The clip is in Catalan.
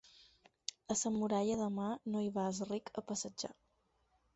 A la Muralla de Mar no hi va el ric a passejar.